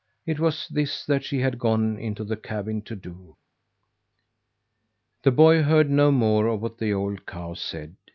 It was this that she had gone into the cabin to do The boy heard no more of what the old cow said.